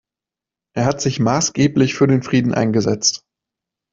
Er hat sich maßgeblich für den Frieden eingesetzt.